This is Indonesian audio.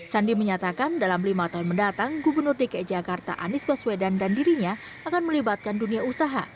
sandi menyatakan dalam lima tahun mendatang gubernur dki jakarta anies baswedan dan dirinya akan melibatkan dunia usaha